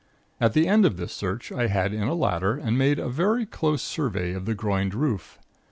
"At the end of this search, I had in a ladder, and made a close survey of the groined roof.